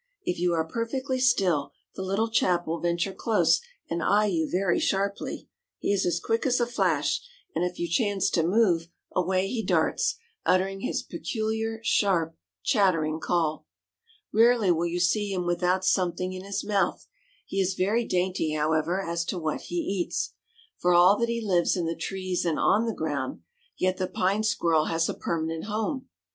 If you are perfectly still, the little chap will venture close and eye you very sharply. He is as quick as a flash, and if you chance to move, away he darts, uttering his peculiar, sharp, chattering call. Rarely will you see him without something in his mouth. He is very dainty, however, as to what he eats. For all that he lives in the trees and on the ground, yet the Pine Squirrel has a permanent home.